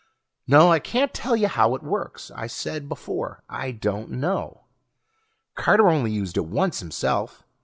No, I can't tell you how it works I said before I don't know. Carter only used it once himself.